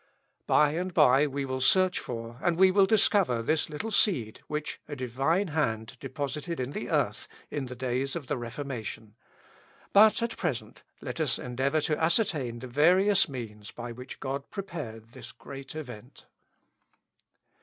By and by we will search for and we will discover this little seed which a Divine hand deposited in the earth in the days of the Reformation; but at present, let us endeavour to ascertain the various means by which God prepared this great event.